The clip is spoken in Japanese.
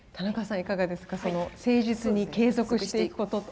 いかがですかその「誠実に継続していくこと」と。